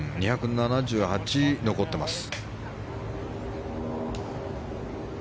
２７８残ってます。